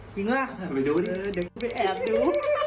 จริงเหรอเดี๋ยวไปแอบดู